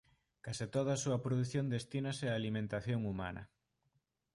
Case toda a súa produción destínase á alimentación humana.